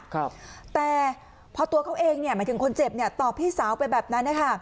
ครับแต่พอตัวเขาเองเนี่ยหมายถึงคนเจ็บเนี่ยตอบพี่สาวไปแบบนั้นนะคะ